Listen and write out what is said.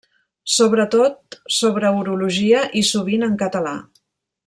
Sobretot sobre urologia i sovint en català.